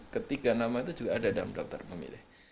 ketiga nama itu juga ada dalam daftar pemilih